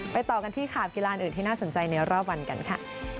ต่อกันที่ข่าวกีฬาอื่นที่น่าสนใจในรอบวันกันค่ะ